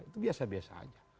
itu biasa biasa aja